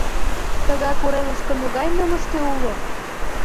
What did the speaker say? — Тыгай коремыште могай нымыште уло?